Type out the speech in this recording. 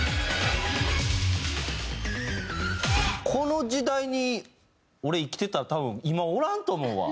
この時代に俺生きてたら多分今おらんと思うわ。